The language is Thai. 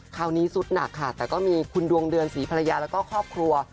คราวนี้สุดหนักค่ะแต่ก็มีคุณดวงเดือนศรีภรรยาแล้วก็ครอบครัว